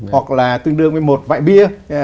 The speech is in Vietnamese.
hoặc là tương đương với một vại bia